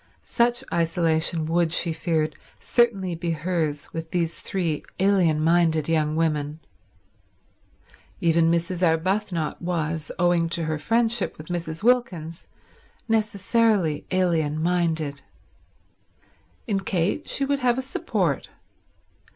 Such isolation would, she feared, certainly be hers with these three alien minded young women. Even Mrs. Arbuthnot was, owing to her friendship with Mrs. Wilkins, necessarily alien minded. In Kate she would have a support.